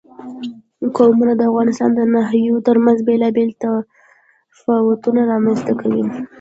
قومونه د افغانستان د ناحیو ترمنځ بېلابېل تفاوتونه رامنځ ته کوي.